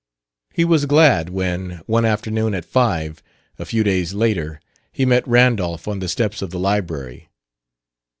He was glad when, one afternoon at five, a few days later, he met Randolph on the steps of the library.